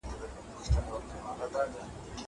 زه له سهاره نان خورم!